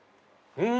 うん！